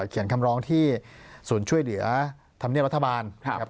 เขียนคำร้องที่ศูนย์ช่วยเหลือธรรมเนียบรัฐบาลครับ